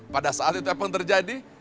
pada saat itu apa yang terjadi